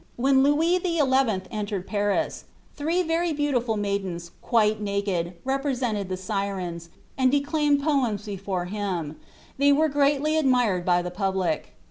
In 1461, when Louis XI entered Paris, three very beautiful maidens, quite naked, represented the Syrens, and declaimed poems before him; they were greatly admired by the public.